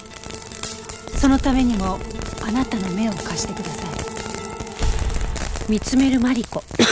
そのためにもあなたの目を貸してください。